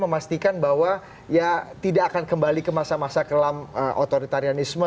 kita masti kan bahwa ya tidak akan kembali ke masa masa kelam otoritarianisme